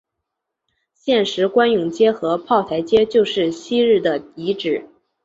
现时官涌街和炮台街就是昔日的遗址。